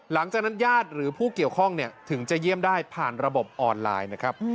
ญาติหรือผู้เกี่ยวข้องถึงจะเยี่ยมได้ผ่านระบบออนไลน์นะครับ